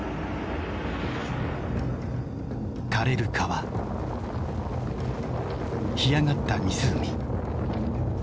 かれる川干上がった湖。